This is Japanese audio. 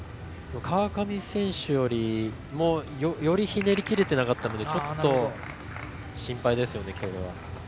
川上選手よりもよりひねり切れていなかったのでちょっと心配ですね。